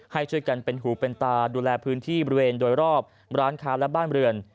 ให้ช่วยกันเป็นหูเป็นตาดูแลพื้นที่บริเวณโดยรอบร้านค้าและบ้านเรือน